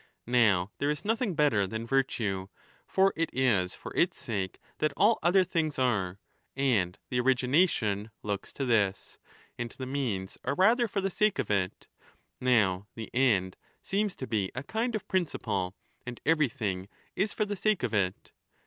Now there is nothing better than virtue; for it is for its sake that all other things are, and the origination looks to this, and the means are rather for the sake of it ; now the end seems to be a kind of principle, and everything is for the sake of it.